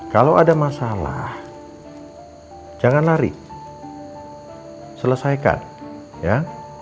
kalau ada masalah jangan lari selesaikan ya